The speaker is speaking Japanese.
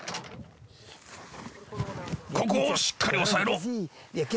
ここをしっかり押さえろ！